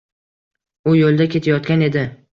U yoʻlda ketayotgan edi.